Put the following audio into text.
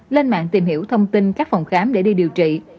lên mạng tìm hiểu thông tin các phòng khám để đi điều trị